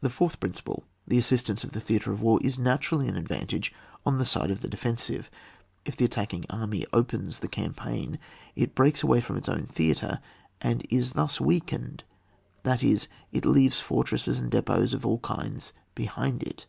The fourth principle, the Assistance of the Theatre of War^ is naturally an advantage on the side of the defensive. If the attacking army opens the cam paign, it brei&s away from its own theatre, and is thus weakened, that is, it leaves fortresses and depots of all kinds behind it.